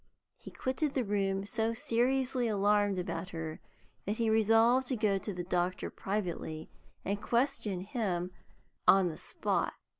He quitted the room so seriously alarmed about her that he resolved to go to the doctor privately and question him on the spot.